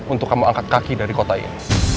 untuk kamu angkat kaki dari kota ini